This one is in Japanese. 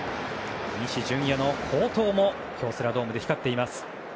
西純矢の好投も京セラドームで光っています。